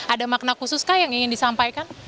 ada makna khusus kah yang ingin disampaikan